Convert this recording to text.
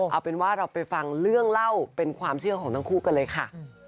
เอาเป็นว่าเราไปฟังเรื่องเล่าเป็นความเชื่อของทั้งคู่กันเลยค่ะ